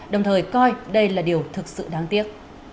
đồng thời coi đây là điều thực sự đáng tiếc